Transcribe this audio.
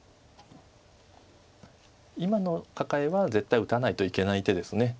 今のカカエは絶対打たないといけない手です。